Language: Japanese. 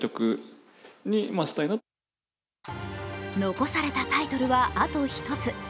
残されたタイトルはあと１つ。